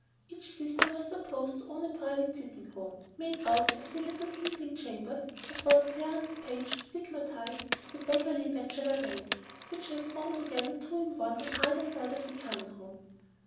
Each sister was supposed to own a private sitting room, made out of the little sleeping chambers of what Clarence Page stigmatized as the "beggarly bachelor days," which were thrown together two in one on either side the common room.